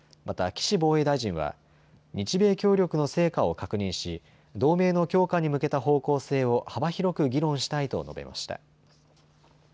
また岸防衛大臣は日米協力の成果を確認し同盟の強化に向けた方向性を幅広く議論したいと述べました。